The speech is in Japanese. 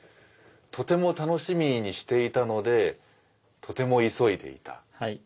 とても楽しみにしていたのでとても急いでいた。